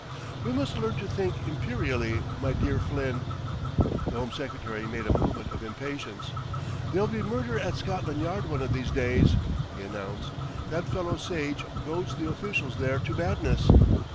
"We must learn to think Imperially, my dear Flynn." The Home Secretary made a movement of impatience. "There'll be murder at Scotland Yard one of these days," he announced. "That fellow Sage goads the officials there to madness."